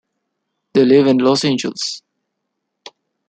They live in Los Angeles.